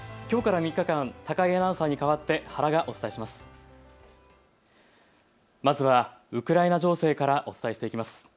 きょうから３日間、高井アナウンサーに代わって原がお伝えします。